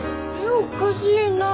おかしいな。